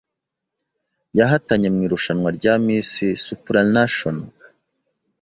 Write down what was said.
yahatanye mu irushanwa rya Miss Supranational